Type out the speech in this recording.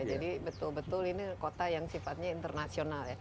jadi betul betul ini kota yang sifatnya internasional ya